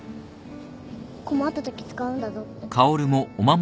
困ったとき使うんだぞって。